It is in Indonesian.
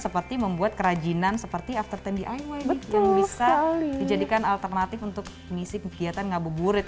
seperti membuat kerajinan seperti after sepuluh diy yang bisa dijadikan alternatif untuk misi kegiatan ngabuburit